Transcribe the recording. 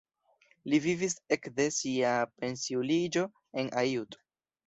Li vivis ekde sia pensiuliĝo en Aiud.